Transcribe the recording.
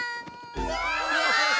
うわ！